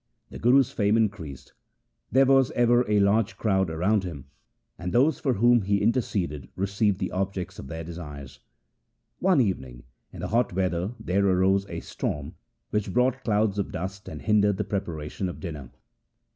The Guru's fame increased ; there was ever a large crowd around him, and those for whom he interceded received the objects of their desires. One evening in the hot weather there arose a storm which brought clouds of dust and hindered the preparation of dinner.